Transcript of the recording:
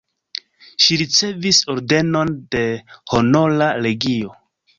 Ŝi ricevis ordenon de Honora legio.